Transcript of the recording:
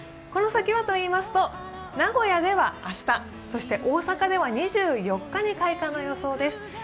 この先はというと、名古屋では明日、そして大阪では２４日に開花の予想です。